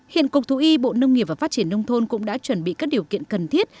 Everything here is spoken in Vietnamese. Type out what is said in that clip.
hiện cục thú y bộ nông nghiệp và phát triển nông thôn cũng đã chuẩn bị các điều kiện cần thiết